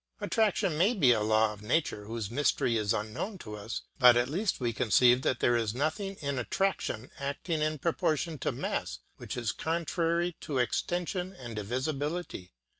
Attraction may be a law of nature whose mystery is unknown to us; but at least we conceive that there is nothing in attraction acting in proportion to mass which is contrary to extension and divisibility.